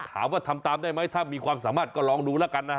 ถามว่าทำตามได้ไหมถ้ามีความสามารถก็ลองดูแล้วกันนะฮะ